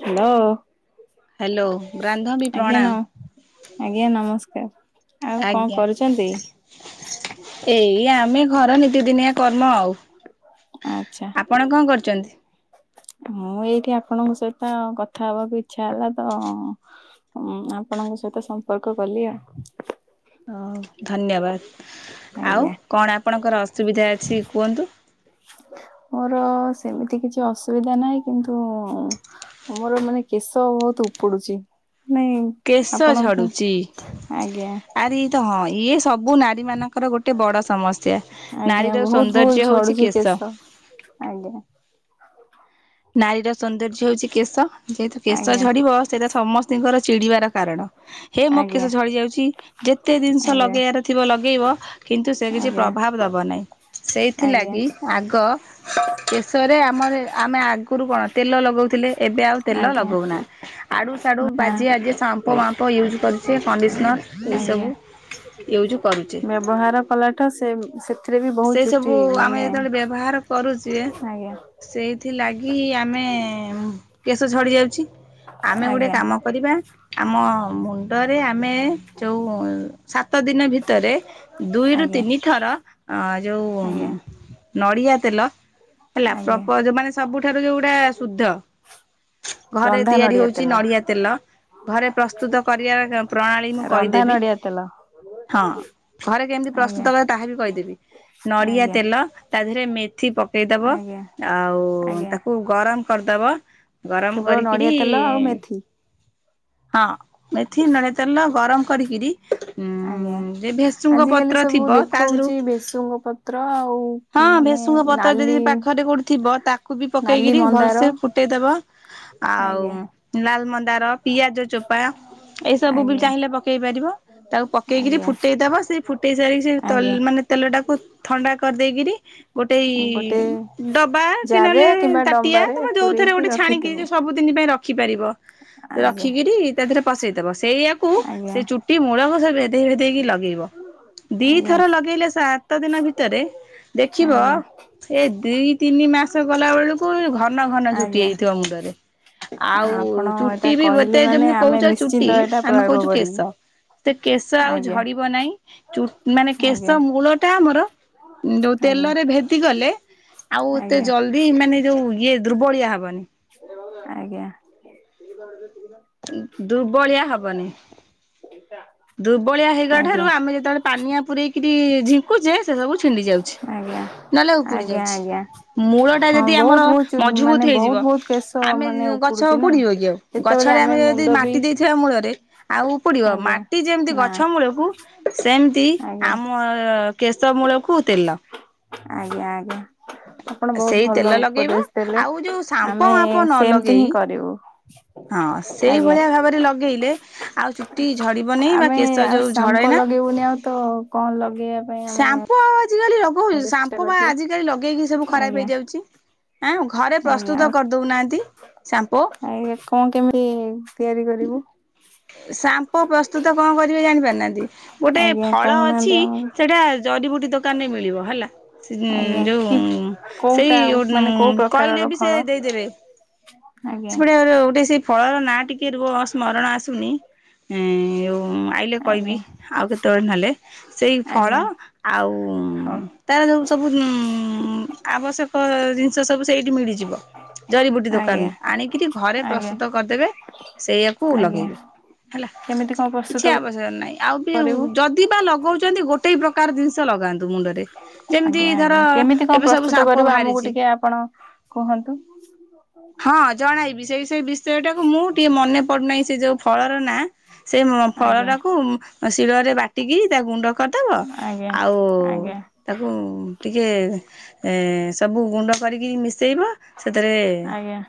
Hello. Hello ବ୍ରାନ୍ଧବୀ ଆଜ୍ଞା ନ ପ୍ରଣାମ। ଆଜ୍ଞା ନମସ୍କାର, ଆଉ କଣ ଆଜ୍ଞା କରୁଛନ୍ତି? ଏଇ ଆମେ ଘର ନି ନିତିଦିନିଆ କର୍ମ ଆଉ, ଆଚ୍ଛା ଆପଣ କଣ କରୁଛନ୍ତି? ମୁଁ ଏଇଠି ଆପଣଙ୍କ ସହିତ କଥା ହବାକୁ ଇଚ୍ଛା ହେଲା ତ ହୁଁ ଆପଣଙ୍କ ସହିତ ସମ୍ପର୍କ କଲି ଆଉ। ହଉ ଧନ୍ୟବାଦ, ଆଉ ଆଜ୍ଞା କଣ ଆପଣଙ୍କର ଅସୁବିଧା ଅଛି କୁହନ୍ତୁ? ମୋର ସେମିତି କିଛି ଅସୁବିଧା ନାହିଁ କିନ୍ତୁ ମୋର ମାନେ କେଶ ବହୁତ ଉପୁଡୁଛି, ନାଇଁ କେଶ ଆପଣଙ୍କୁ ଝଡୁଛି ଆଜ୍ଞା ଆରେ ଇ ତ ହଁ ଇଏ ସବୁ ନାରୀ ମାନଙ୍କର ଗୋ ଗୋଟେ ବଡ ସମସ୍ୟା ଆଜ୍ଞା ନାରୀର ବହୁତ ବହୁତ ସୌନ୍ଦର୍ଯ୍ୟ ହଉଛି ଝଡୁଛି କେଶ। ଆଜ୍ଞା। ନାରୀର ସୌନ୍ଦର୍ଯ୍ୟ ହଉଛି କେଶ, ଯେହେତୁ କେଶ ଆଜ୍ଞା ଝଡିବ ସେଇଟା ସମସ୍ତଙ୍କର ଚିଡିବାର କାରଣ, ହେ ମୋ କେଶ ଆଜ୍ଞା ଝଳି ଯାଉଛି ଯେତେ ଜିନିଷ ଆଜ୍ଞା ଲଗେଇବାର ଥିବ ଲଗେଇବ କିନ୍ତୁ ସେ କିଛି ଆଜ୍ଞା ପ୍ରଭାବ ଦବ ନାହିଁ ଆଜ୍ଞା ସେଇଥିଲାଗି ଆଗ କେଶରେ ଆମର ଆମେ ଆ ଆଗୁରୁ କଣ ତେଲ ଲଗୋଉଥିଲେ ଏବେ ଆଉ ତେଲ ଆଜ୍ଞା ଲଗାଉନାହାନ୍ତି ଆଡୁ ସଡୁ ନା ବାଜେ ଆଜେ ସାମ୍ ମୁଁ ମାପ ୟୁଜ୍ କରିଚି କଣ୍ଡିଶ୍ନର୍ ଆଜ୍ଞା। ଏସବୁ। ୟୁଜ୍ କରୁଛେ। ବ୍ୟବହାର କଲାଠୁ ସେ ସେଥିରେ ବି ବୋହୁତ ଚୁଟି ମାନେ କରୁଚିଏ। ଆଜ୍ଞା। ସେଇଥିଲାଗି ଆମେ କେଶ ଝଡି ଯାଉଛି ଆମେ ଗୋଟେ ଆଜ୍ଞା କାମ କରିବା ଆମ ମୁଣ୍ଡରେ ଆମେ ଯୋଉଁ ସାତ ଦିନ ଭିତରେ ଦୁଇରୁ ଆଜ୍ଞା ତିନି ଥର ଆଁ ଯୋଉ ଆଜ୍ଞା ନଡିଆ ତେଲ ହେଲା ଆଜ୍ଞା। ପ୍ରପର ଯୋଉଁ ମାନେ ସବୁଠାରୁ ଯୋଉଟା ଶୁଦ୍ଧ। ଘରେ ରନ୍ଧା ତିଆରି ନଡିଆ ହୋଉଚି ତେଲ ନଡିଆ ତେଲ। ଘରେ ପ୍ରସ୍ତୁତ କରିବାର ପ୍ରଣାଳୀ ମୁଁ ରନ୍ଧା କହିଦେବି। ନଡିଆ ତେଲ ହଁ ଘରେ କେମିତି ଆଜ୍ଞା ପ୍ରସ୍ତୁତ ହେବେ ତାହା ବି କହିଦେବି ନଡିଆ ଆଜ୍ଞା। ତେଲ ତା ଦେହରେ ମେଥି ପକେଇଦବ ଆଜ୍ଞା ଆଉ ଆଜ୍ଞା ତାକୁ ଗରମ କରିଦବ ଗରମ କେବଳ କରିକିରି ନଡିଆ ତେଲ ଆଉ ମେଥି ହଁ ମେଥି ନଡ଼ିଆ ତେଲ ଗରମ କରିକିରି ଆଜ୍ଞା ଉଁ ଯେ ଭେସୁଙ୍ଗ ଆଜିକାଲି ପତ୍ର ସବୁ ଥିବ ତା ଦେହରୁ ଦେଖୋଉଚି ଭେଷୁଙ୍ଗ ପତ୍ର ଆଉ ହଁ ମାନେ ଭେସୁଙ୍ଗ ପତ୍ର ନାଲି ଯଦି ପାଖରେ କୋଉଠିଥିବ ତାକୁ ତାକୁ ବି ନାଲି ପକେଇକରି ମନ୍ଦାର ଭଲସେ ଫୁଟେଇଦବ ଆଉ ଆଜ୍ଞା ଲାଲ ମନ୍ଦାର ପିଆଜ ଚୋପା ଏଇ ସବୁ ବି ଆଜ୍ଞା ଚାହିଁଲେ ପକେଇ ପାରିବ। ତାକୁ ପକେଇକିରି ଆଜ୍ଞା ଫୁଟେଇ ଦବ ସେଇ ଫୁଟେଇ ସାରିକି ସେ ତ ଆଜ୍ଞା। ମାନେ ତେଲଟାକୁ ଥଣ୍ଡା କରିଦେଇକିରି ଗୋଟେ ଗୋଟେ ଡବା ଜାରେ ମାନେ କିମ୍ବା ତାଟିଆ ଡମ୍ବାରେ ଯୋଉଥିରେ ପୂରେଇକି ଗୋଟେ ଛାଣିକି ରଖିଥିବୁ ଯୋଉ ସବୁଦିନ ପାଇଁ ରଖି ପାରିବ ଆଜ୍ଞା। ରଖିକିରି ତା ଦେହରେ ପସେଇଦେବ ସେଇଆକୁ ଆଜ୍ଞା ସେ ଚୁ ଟିକ ମୂଳକ ଘସ ଭେଦେଇ ଭେଦେଇକି ଲଗେଇବୁ। ଆଜ୍ଞା ଦିଥର ଲଗେଇଲେ ସାତ ଦିନ ଭିତରେ ଦେଖିବ ଆଜ୍ଞା ଏ ଦିଇ ତିନି ମାସ ଗଲା ବେଳକୁ ଘନ ଘନ ଛୁଟି ଆଜ୍ଞା। ହେଇଯିବ ମୁଣ୍ଡରେ। ଆଉ ଆପଣ ଏଇଟା ଚୁଟି ବି କହିଲେ ବତେ ମାନେ ଯେମିତି ଆମେ କୋହୁଚ ନିଶ୍ଚିନ୍ତ ଚୁଟି ଏଇଟା ଆମେ ପ୍ରୟୋଗ କୋହୁଚୁ କରିବୁ। କେଶ। ସେ କେଶ ଆଉ ଆଜ୍ଞା ଝଡିବ ନାହିଁ ଚୁ ମାନେ ଆଜ୍ଞା କେଶ ମୂଳ ଟା ଆମର ଯୋଉ ଆଜ୍ଞା ତେଲରେ ଭେଦି ଗଲେ ଆଉ ଏତେ ଆଜ୍ଞା ଜଲଦି ମାନେ ଯୋଉ ଇଏ ଦୁର୍ବଳିଆ ହବନି। ଆଜ୍ଞା। ଦୁର୍ବଳିଆ ହବନି। ସେଇଟା ଦୁର୍ବଳିଆ ହେଇଗଲା ଠାରୁ ଆମେ ଯେତେବେଳେ ପାନିଆ ପୂରେଇକିରି ଝିଙ୍କୁଚେ ସେ ସବୁ ଛିଣ୍ଡି ଯାଉଛି। ଆଜ୍ଞା ନହେଲେ ଉପୁଡି ଆଜ୍ଞା ଯାଉଛି। ଆଜ୍ଞା ମୂଳଟା ଯଦି ହଁ ଆମର ବୋହୁତ ବୋହୁତ ଚୁ ମଜବୁତ ମାନେ ହେଇଯିବ ବୋହୁତ ବୋହୁତ କେଶ ଆମେ ମାନେ ଗଛ ଉପୁଡୁଚି ନା ଯେତେବେଳେ ଆମେ ମୁଣ୍ଡ ବି କିଛି ଥିବା ମୂଳରେ ଆଉ ଉପୁଡିବ ଆଜ୍ଞା ମାଟି ଯେମିତି ନା ଗଛ ମୂଳକୁ ସେମିତି ଆଜ୍ଞା। ଆମ କେଶ ମୂଳକୁ ତେଲ। ଆଜ୍ଞା ଆଜ୍ଞା। ଆପଣ ବୋହୁତ ସେଇ ତେଲ ଭଲ ଲଗେଇବ ଉପଦେଶ ଦେଲେ, ଆଉ ଯୋଉ ସାମ୍ପ ଆମେ ମାପ ନ ସେମତି ହିଁ ଲଗେଇ କରିବୁ। ହଁ ଆଜ୍ଞା। ସେଇଭଳିଆ ଭାବରେ ଲଗେଇଲେ ଆଉ ଚୁଟି ଝଡିବନି ବା ଆମେ କେଶ ଆଉ ଯୋଉ ସାମ୍ପ ଝଡ଼େ ନା ଲଗେଇବୁନି ଆଉ ତ କଣ ଲଗେୟା ସାମ୍ପୁ ଆଉ ଆଜିିକାଲି ଲଗଉଚ ସାମ୍ପୁ ବା କରିଥିଲୁ ଆଜିିକାଲି ଲଗେଇକି ସବୁ ଖରାପ ଆଜ୍ଞା ହେଇଯାଉଚି। ଆଁ ଘରେ ଆଜ୍ଞା ପ୍ରସ୍ତୁତ ଆଉ କରିଦୋଉନାହାନ୍ତି। ଆଜ୍ଞା କଣ କେମିତି ତିଆରି କରିବୁ? ସାମ୍ପ ପ୍ରସ୍ତୁତ କଣ କରିବେ ଜାଣିପାରନାହାନ୍ତି ଗୋଟେ ଆଜ୍ଞା ଫଳ ଅଛି କହୁନାହାନ୍ତି ଆମକୁ ସେଇଟା ଜରିିବୁଟି ଦୋକାନରେ ମିଳିବ ହେଲା ଆଜ୍ଞା କି ଯଉ କୋଉଟା ସେଇ ମାନେ କୋଉ କହିଲେ ପ୍ରକାରର ବି ଫଳ ସେ ଦେଇ ଦେବେ। ଆଜ୍ଞା ସେପଟେ ଗୋଟେ ସେ ଫଳର ନାଁ ଟିକେ ରୁହ ସ୍ମରଣ ଆସୁନି ଏଁ ହୁଁ- ଆଇଲେ କହିବି ଆଜ୍ଞା ଆଉ କେତେବେଳେ ନହେଲେ ସେଇ ଫଳ ଆଜ୍ଞା ଆଉ ହଉ ତାର ଯଉ ସବୁ ଉ- ଆବଶ୍ୟକ ଜିନଷ ସେ ସବୁ ସେଇଠି ମିଳିଯିବ ଜରିିବୁଟି ଆଜ୍ଞା ଦୋକାନରୁୁ। ଆଣିକିରି ଘରେ ଆଜ୍ଞା ପ୍ରସ୍ତୁତ କରିଦେବେ ସେଇଆକୁ ଆଜ୍ଞା ଲଗେଇବେ ହେଲା କେମିତି କଣ ପ୍ରସ୍ତୁତ କିଛି ବସିବାର ନାଇଁ ଆଉ ବି କରିବୁ? ଯଦି ବା ଲଗଉଚନ୍ତି ଗୋଟେଇ ପ୍ରକାର ଜିନିଷ ଲଗାନ୍ତୁ ମୁଣ୍ଡରେ। ଯେମିତି ଆଜ୍ଞା ଧର -ଆଜ୍ଞା କେମିତି କଣ ଏବେ ସବୁ ପ୍ରସ୍ତୁତ ସାମ୍ପ କରିବୁ ଆମକୁ ବାହାରିଛି ଟିକେ ଆପଣ କୁହନ୍ତୁ? ହଁ ଜଣାଇବି ସେଇ ସେଇ ବିଷୟ ଟାକୁ ମୁଁ ଟିକେ ମନେ ପଡୁନାହିଁ ସେ ଯଉ ଫଳର ନା ସେ ଫଳ ଆଜ୍ଞା ଟାକୁ ଶିଳରେ ବାଟିକି ତା ଗୁଣ୍ଡ କରିଦବ ଆଜ୍ଞା ଆଉ ଆଜ୍ଞା ତାକୁ ଟିକଏ ଏ-ସବୁ ଗୁଣ୍ଡ କରିକି ମିଶେଇବ। ସେତେରେ ଆଜ୍ଞା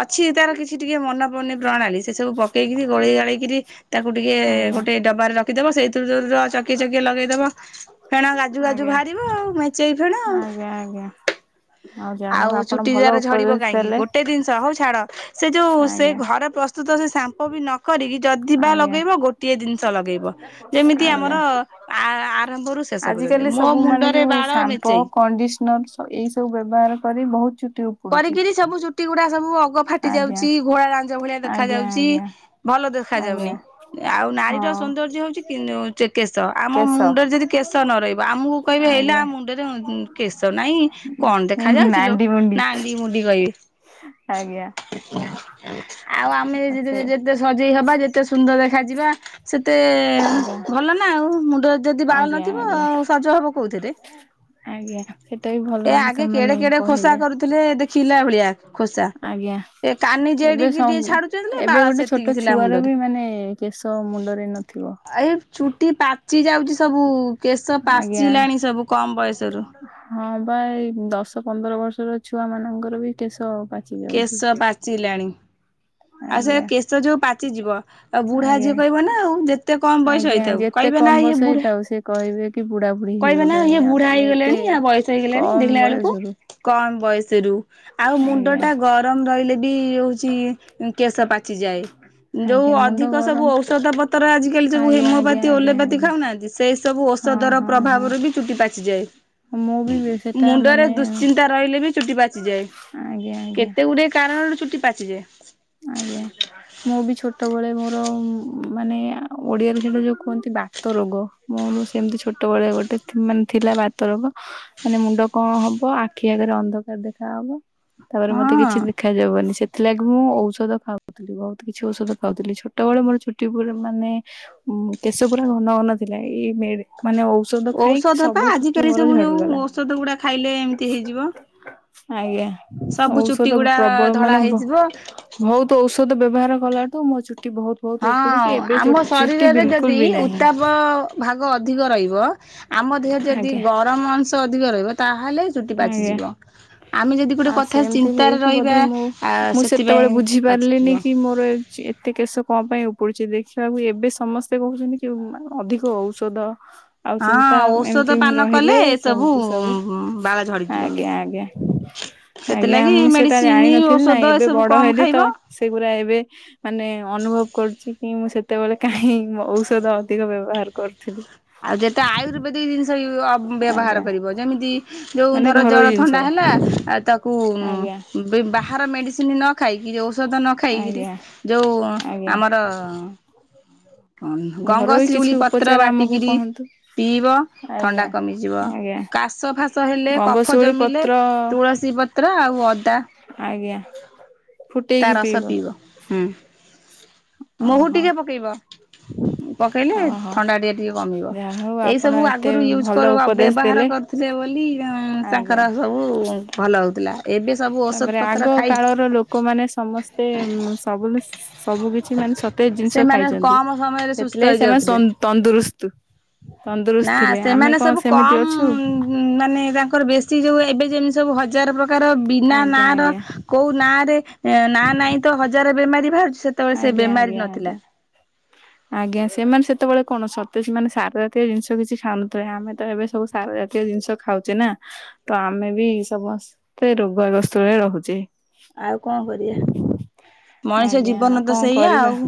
ଅଛି ତାର କିଛି ଟିକେ ମନେ ପଡୁନି ପ୍ରଣାଳୀ ସେ ସବୁ ପକେଇକିରି ଗୋଳେଇ ଗାଳେଇକିରି ତାକୁ ଟିକେ ଆଜ୍ଞା। ଗୋଟେ ଡବାରେ ରଖିଦବ ସେଇଥିରୁ ଯଉ ଚକିଏ ଚକିଏ ଲଗେଇଦବ ଫେଣ ଗାଜୁ ଗାଜୁ ଆଜ୍ଞା ବାହାରିବ ଆଉ ମେଚେଇ ଫେଣ ଆଉ। ଆଜ୍ଞା ଆଉ ଯାହା ହଉ ଆପ୍ ଚୁଟି ଯାର ଝଡିବ କାହିଁକି ଗୋଟ୍ ଗୋଟେ ଜିନିଷ ହଉ ଛାଡ ସେ ଯଉ ସେ ଆଜ୍ଞା ଘରେ ପ୍ରସ୍ତୁତ ସେ ସାମ୍ପୁ ବି ନ କରିକି ଯଦିି ବା ଆଜ୍ଞା ଲଗେଇବ ଗୋଟିଏ ଜିନିଷ ଲଗେଇବ ଯେମିତି ଆମର ଆରମ୍ଭରୁ ଶେଷ ଆଜ ପର୍ଯ୍ୟନ୍ତ କାଲି ମୋ ସବୁ ମାନେ ମୁଣ୍ଡରେ ଯଉ ବାଳ ସାମ୍ପୋ ମେଚେଇ କଣ୍ଡିସ୍ନ ହ- ଏଇ ସବୁ ବ୍ୟବହାର କରି ବହୁତ୍ ଚୁଟି ଉପ୍ କରିକିରି ସବୁ ଚୁଟି ଗୁଡା ସବୁ ଅ ଗ ଫାଟି ଆଜ୍ଞା ଯାଉଚି ଘୋଡ଼ା ଲାଞ୍ଜ ଭଳିଆ ଦେଖା ଆଜ୍ଞା ଯାଉଚି ଆଜ୍ଞା ଭଲ ଦେଖା ଯାଉନି। ଆଜ୍ଞା ଆଉ ନାରୀର ହଁ। ସୌନ୍ଦର୍ଯ୍ୟ ହଉଚି କିଁ-କେଶ ଆମ କେଶ ମୁଣ୍ଡରେ ଯଦି କେଶ ନ ରହିବ ଆମୁକୁ କହିବେ ହେଇଲା ଆଜ୍ଞା ମୁଣ୍ଡରେ ଉଁ -କେଶ ନାହିଁ କଣ ଦେଖା ଯାଉଚିଲ ନାଣ୍ଡି ମୁଣ୍ଡି ନାଣ୍ଡି ମୁଣ୍ଡି କହିବେ। ଆଜ୍ଞା। ଆଉ ଆମେ ସେ ଯେ-ଯେତେ ସଜେଇ ହବା ଯେତେ ସୁନ୍ଦର ଦେଖା ଯିବା ସେତେ ଆଜ୍ଞା ଭଲ ନା ଆଉ ମୁଣ୍ଡରେ ଯଦି ବାଳ ଆଜ୍ଞା ନଥିବ ଆଜ୍ଞା ଆଉ ସଜ ହବ କଉଥିରେ। ଆଜ୍ଞା ସେଟା ବି ଭଲ ହବ ଆଗେ କେଡେ ସେମାନେ କେଡେ ଖୋସା କହିଲେ। କରୁଥିଲେ ଏ ଦେଖିଲା ଭଳିଆ ଖୋସା। ଆଜ୍ଞା। ଏ କାନି ଏବେ ଯେଡିକି ଟିକେ ଛାଡୁଛନ୍ତି ସବ୍- ବାଳ ଏବେ ଗୋଟେ ସେତିକି ଛୋଟ ଥିଲା ଛୁଆର ମୁଣ୍ଡରେ। ବି ମାନେ କେଶ ମୁଣ୍ଡରେ ନଥିବ। ଆଏ ଚୁଟି ପାଚି ଯାଉଚି ସବୁ କେଶ ଆଜ୍ଞା ପାଚିଲାଣି ସବୁ କମ୍ ବୟସରୁ। ହଁ ବା ଏଇ ଦଶ ପନ୍ଦର ବର୍ଷର ଛୁଆ ମାନଙ୍କର ବି କେଶ ପାଚି ଯାଉଛି କେଶ ପାଚିଲାଣି ଆଉ ସେ ଆଜ୍ଞା କେଶ ଯଉ ପାଚିଯିବ ଆଉ ବୁଢା ଆଜ୍ଞା ଯିଏ କହିବ ନା ଆଉ ଯେତେ କମ୍ ବୟସ ଆଜ୍ଞା ହେଇଥାଉ ଯେତେ କହିବେ ନା କମ ଇଏ ବୟସ ବୁଢା। ହେଇଥାଉ ସେ କହିବେ କି ବୁଢା ବୁଢ଼ୀ କହିବେ ନା ହେଇଗଲଣି ଇଏ ଆଉ ବୁଢା ତମେ ଏତେ ହେଇଗଲାଣି କମ୍ ବୟସରୁ କମ୍ ବୟସ ରୁ ଆଉ ମୁଣ୍ଡ ଆଜ୍ଞା ଟା ଗରମ୍ ରହିଲେ ବି ଉ ଚି କେଶ ପାଚିଯାଏ। ଯଉ ଆଜ୍ଞା ମୁଣ୍ଡ ଅଧିକ ସବୁ ଗରମ ଔଷଧ ପତର ଆଜିକାଲି ସବୁ ଆଜ୍ଞା ଆଜ୍ଞା ହେମୋପାତି ଆଜ୍ଞା ଓଲୋପାତି ଆଜ୍ଞା ଖାଉନାହାନ୍ତି ସେଇ ସବୁ ହଁ ଔଷଧ ର ହଁ ହଁ ପ୍ରଭାବରେ ବି ଚୁଟି ମୁଁ ବି ପାଚିଯାଏ ବେ ସେଟା ମୁଣ୍ଡରେ ମାନେ ଦୁଶ୍ଚିନ୍ତା ରହିଲେ ବି ଚୁଟି ପାଚିଯାଏ। ଆଜ୍ଞା ଆଜ୍ଞା କେତେ ଗୁଡିଏ କାରଣରୁ ଚୁଟି ପାଚି ଯାଏ। ଆଜ୍ଞା। ମୁଁ ବି ଛୋଟବେଳେ ମୋର ମାନେ ଓଡିଆରେ ଯୋଉ ଟା ଯୋଉ କୁହନ୍ତି ବା ବାତ ରୋଗ ମୋର ସେମତି ଛୋଟ ବେଳେ ଗୋଟେ ଥି ମାନେ ଥିଲା ବାତ ରୋଗ। ମାନେ ମୁଣ୍ଡ କଣ ହବ ଆଖି ଆଗରେ ଅନ୍ଧକାର ଦେଖା ହବ। ତାପରେ ମତେ ହଁ କିଛି ଦେଖାଯାବନି ସେଥିଲାଗି ମୁଁ ଔ ଷଧ ଖାଉଥିଲି ବହୁତ କିଛି ଔଷଧ ଖାଉଥିଲି ଛୋଟବେଳେ ମୋର ଚୁଟି ଉପୁଡେ ମାନେ ଉଁ କେଶ ପୁରା ଘନ ଘନ ଥିଲା ଏଇ ମେରେ ମାନେ ଔଷଧ ଖାଇକି ଔଷଧ ବା ସବୁ ଚୁଟି ଆଜିକାଲି ମୋର ସବୁ ଯୋଉ ଝଡିଗଲା। ଔଷଧ ଗୁଡା ଖାଇଲେ ଏମିତି ହେଇଯିବ ଆଜ୍ଞା ସବୁ ଆଉ ଚୁଟି ଔଷଧ ଗୁଡା ପ୍ରବଳ ଧଳା ମାନେ ବ ହେଇଯିବ ଭୋହୁତ ଔଷଧ ବ୍ୟବହାର କଲାଠୁ ମୋ ଚୁଟି ଭୋହୁତ ହଁ ଆମ ଶରୀରରେ ଯଦି ବି ନାହିଁ ଉତ୍ତାପ ଭାଗ ଅଧିକ ରହିବ ଆମ ଦେହରେ ଯଦି ଆଜ୍ଞା ଗରମ ଅଂଶ ଅଧିକ ରହିବ ତାହେଲେ ଚୁଟି ଆଜ୍ଞା ପାଚିଯିବ ଆମେ ଯଦି ଗୋଟେ ଆଉ କଥା ସେମିତି ଚିନ୍ତାରେ ହେଇକି ରହିବା ବୋଧେ ମୁଁ ଆ ମୁଁ ସେତେବେଳେ ସେଥିପାଇଁ ବୁଝି ପାରିଲିନି ପାଚିଯିବ। କି ମୋର ଏ ସେ ଏତେ କେଶ କଣ ପାଇଁ ଉପୁଡୁଛି ଦେଖିବାକୁ ଏବେ ସମସ୍ତେ କହୁଛନ୍ତି କି ଅଧିକ ଔଷଧ ଆଉ ହଁ ଚିନ୍ତା ଔଷଧ ଏମିତି ପାନ କଲେ ରହିଲେ ଏସବୁ ସେମିତି ସବୁ ବାଳ ଝଡ଼ିଯିବ। ଆଜ୍ଞା ଆଜ୍ଞା। ଆଜ୍ଞା ସେଥିଲାଗି ମୁଁ ସେଟା ମେଡ଼ିସିନ ଜାଣିିନଥିଲି ନା ଔଷଧ ଏବେ ଏସବୁ ବଡ କମ୍ ହେଲି ତ ଖାଇବ। ସେଗୁୁରା ଏବେ ମାନେ ଅନୁଭବ କରୁଛି କି ମୁଁ ସେତେବେଳେ କାହିଁ ମୁଁ ଔଷଧ ଅଧିକ ବ୍ୟବହାର କରୁଥିଲି। ଆଉ ଯେତେ ଆୟୁର୍ବେଦିକ ଜିନିଷ ବି ବ ବ୍ୟବହାର ଆଜ୍ଞା କରିବ ଯେମିତି ଯୋଉ ମାନେ ଧର ଘରୋଇ ଜର ଜିନିଷ ଥଣ୍ଡା ହେଲା ଆ ତାକୁ ଆଜ୍ଞା ବେ ବାହାର ମେଡିସିନ ନ ଖାଇକି ଔଷଧ ନ ଖାଇକିରି ଆଜ୍ଞା। ଯୋଉ ଆଜ୍ଞା ଆମର ଘରୋଇ କିଛି ଗଙ୍ଗଶିଉଳି ପତ୍ର ଉପଚାର ଆମକୁ ବାଟିକିରି କହନ୍ତୁ। ପିଇବ ଥଣ୍ଡା କମିଯିବ କାଶ ଫାଶ ହେଲେ କଫ ଗଙ୍ଗଶିଉଳି ଜମିଲେ ପତ୍ର ତୁଳସୀ ପତ୍ ତ୍ର ଆଉ ଅଦା ଆଜ୍ଞା। ତା ରସ ପିଇବ ହୁଁ ମହୁ ଓହୋ ଟିକେ ପକେଇବ। ପକେଇଲେ ଓହୋ ଥଣ୍ଡା ଟିକେ ଟିକେ କମିବ ଯାହା ହଉ ଏଇ ଆପଣ ସବୁ ଏତେ ଆଗରୁ ୟୁଜ ଭଲ କର ଆ ଉପଦେଶ ବ୍ୟବହାର ଦେଲେ କରୁ। ଥିଲେ ବୋଲି ଉଁ ଆଜ୍ଞା। ତାଙ୍କର ସବୁ ଭଲ ହେଉଥିଲା ଏବେ ସବୁ ଔଷଧ ତାପରେ ପତ ଆଗ କାଳର ଲୋକମାନେ ସମସ୍ତେ ମୁଁ ସବୁ ଲୁସ୍‌ ସବୁ କିଛି ମାନେ ସତେଜ ଜିନିଷ ସେମାନେ ଖାଇଛନ୍ତି କମ ସମୟରେ ସୁସ୍ଥ ସେଥିଲାଗି ସେମାନେ ସ ହେଇଯାଉଥିଲେ। ତନ୍ଦୁରୁସ୍ତୁ। ନା ସେମାନେ ସବୁ ସେମିତି କମ ଅଛୁ ଉ ଉଁ ମାନେ ରାଙ୍କର ବେଶୀ ଚି ଯୋଉ ଏବେ ଯେମିତି ସବୁ ହଜାର ପ୍ରକାର ବିନା ନାଁ ଆଜ୍ଞା ର ଆଜ୍ଞା କୋଉ ନାଁ ରେ ଏ ନାଁ ନାହିଁ ତ ହଜାରେ ବେମାରୀ ବାହାରୁଛି ସେତେବେଳେ ସେ ଆଜ୍ଞା ବେମାରୀ ଆଜ୍ଞା ନଥିଲା। ଆଜ୍ଞା [inaudible] ଆଜ୍ଞା ସେମାନେ ସେତେବେଳେ କଣ ସତେ ସେମାନେ ସାର ଜାତୀୟ ଜିନିଷ କିଛି ଖାାଉଥିଲେ ଆମେ ତ ଏବେ ସବୁ ସାର ଜାତୀୟ ଜିନିଷ ଖାଉଚେ ନା ତ ଆମେ ବି ସମସ୍ତେ ରୋଗା ଗସ୍ତରେ ରେ ରହୁଛେ। ଆଉ କଣ କରିବା। ମଣିଷ ଆଜ୍ଞା ଜୀବନ ତ କଣ ସେଇଆ କରିବା ଆଉ।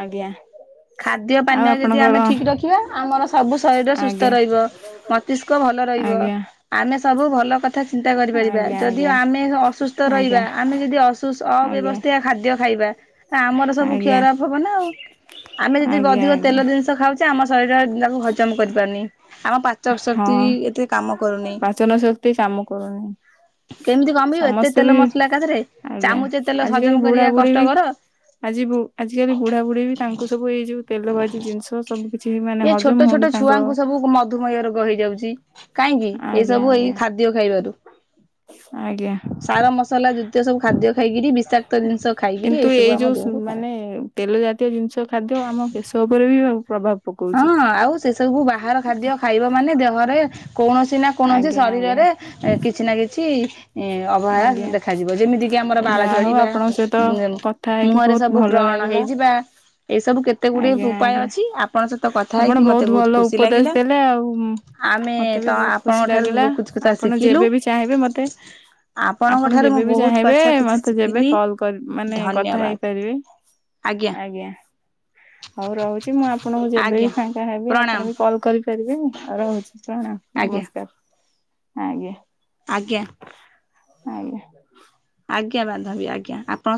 ଆଜ୍ଞା। ଖାଦ୍ୟ ଆଉ ପାନୀୟ ଯଦି ଆପଣଙ୍କର ଆମେ ଠିକ ରଖିବା ଆମର ସବୁ ଶରୀର ସୁସ୍ଥ ଆଜ୍ଞା ରହିବ ମ ମସ୍ତିଷ୍କ ଭଲ ରହିବ ଆଜ୍ଞା ଆମେ ସବୁ ଭଲ କଥା ଚିନ୍ତା କରିପାରିବା ଆଜ୍ଞା ଯଦି ଆଜ୍ଞା ଆମେ ଅସୁସ୍ଥ ଆଜ୍ଞା ରହିବା, ଆମେ ଯଦି ଅସୁସ ଆଜ୍ଞା ଅବ୍ୟବସ୍ଥା ଖାଦ୍ୟ ଖାଇବା ଆମର ସବୁ ଆଜ୍ଞା ଖ୍ଷରାପ ହବ ନା ଆଉ। ଆମେ ଯଦି ଆଜ୍ଞା ଅଧିକ ଆଜ୍ଞା ତେଲ ଜିନିଷ ଖାଉଛେ, ଆମ ଶରୀର ହଜମ କରିପାରୁନି, ଆମ ପାଚନ ସକ୍ତି ହଁ ଏତେ ଆଉ କାମ କରୁନି। ପାଚନ ଶକ୍ତି କାମ କରୁନି କେମିତି କମିବ ଏତେ ତେଲ ମସଲା [unintelligible] ଏକାଥରେ ଆଜ୍ଞା ଚାମୁଚେ ତେଲ ହଜମ ଆଜିକାଲି ବୁଢା କରିବା ବୁଢୀ ବି, କଷ୍ଟକର। ଆଜି ବୁ ଆଜିକାଲି ବୁଢା ପକୁଡି ବି ତାଙ୍କୁ ସବୁ ଏଇ ଯୋଉ ତେଲଭାଜି ଜିନିଷ, ସବୁ କିଛି ମାନେ ଏ ହ ଛୋଟ ଛୋଟ ଛୁଆଙ୍କୁ ସବୁ ମଧୁମୟ ରୋଗ ହେଇ ଯାଉଚି। କାହିଁକି, ଆଜ୍ଞା ଏଇସବୁ ଏଇ ଆଜ୍ଞା ଖାଦ୍ୟ ଖାଇବାରୁ। ଆଜ୍ଞା ସାର ମସଲା ଜୁତୀୟ ସବୁ ଖାଦ୍ୟ ଖାଇକିରି, ବିଷାକ୍ତ ଜିନିଷ ଖାଇକିରି କିନ୍ତୁ ଏଇ ସବୁ ଆମ ଯୋଉ ଦେହକୁ ଖରାପ। ମାନେ ତେଲ ଜାତୀୟ ଜିନିଷ ଖାଦ୍ୟ ଆମ କେଶ ଉପରେ ବି ପ୍ରଭାବ ପକଉଛି ହଁ ଆଉ ସେ ସବୁ ବାହାର ଖାଦ୍ୟ ଖାଇବ ମାନେ ଦେହରେ କୌଣସି ନା କୌଣସି ଆଜ୍ଞା ଆଜ୍ଞା ଶରୀରରେ କିଛି ନା କିଛି ଏ ଅବହେଳା ଆଜ୍ଞା ଦେଖାଯିବ, ଯେମିତି ଏ ଆମର ବାଳ ଯାହା ହଉ ଝଡିବା, ଆପଣଙ୍କ ସହିତ କଥା ହେଇକି ମୁହଁରେ ବହୁତ ସବୁ ଭଲ ବ୍ରଣ ଲାଗିଲା ହେଇଜି ବା, ଏଇସବୁ କେତେ ଗୁଡିଏ ଆଜ୍ଞା ଉପାୟ ଆଜ୍ଞା ଅଛି? ଆ ଆପଣ ବହୁତ ଭଲ ଉପଦେଶ ଦେଲେ ଆଉ, ଆମେ ମତେ ତ ବି ବହୁତ ଆପଣଙ୍କ ଖୁସି ଠାରୁ ବି ଲାଗିଲା। ବହୁତ କଥା ଆପଣ ଶିଖିଲୁ ଯେବେ ବି ଚାହିଁବେ ମତେ ଆପଣଙ୍କ ଆପଣ ଠାରୁ ମୁଁ ଯେବେ ବି ବହୁତ ଚାହିଁବେ, କଥା କିଛି ମତେ ଯେବେ ଶିଖିଲି କଲ କରି ମାନେ କଥା ଧନ୍ୟବାଦ। ହେଇପାରିବେ। ଆଜ୍ଞା। ଆଜ୍ଞା। ହଉ ରହୁଛି ମୁଁ ଆପଣଙ୍କୁ ଯେବେବି ଆଜ୍ଞା ଫାଙ୍କା ହେବି, ପ୍ରଣାମ ଆପଣ ବି କଲ କରିପାରିବେ ଆଉ ରହୁଛି ପ୍ରଣାମ। ଆଜ୍ଞା ନମସ୍କାର ଆଜ୍ଞା। ଆଜ୍ଞା। ଆଜ୍ଞା। ଆଜ୍ଞା ବାନ୍ଧବୀ ଆଜ୍ଞା ଆପଣ ସ